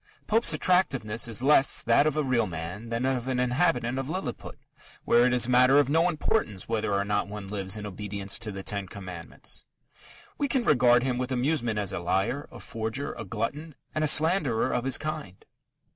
Pope's attractiveness is less that of a real man than of an inhabitant of Lilliput, where it is a matter of no importance whether or not one lives in obedience to the Ten Commandments. We can regard him with amusement as a liar, a forger, a glutton, and a slanderer of his kind.